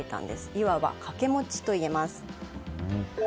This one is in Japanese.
いわば掛け持ちといえます。